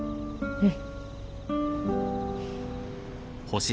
うん。